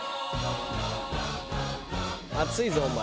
「熱いぞお前」